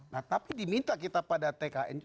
nah tapi diminta kita pada tkn